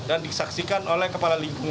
dan disaksikan oleh kepala lingkungan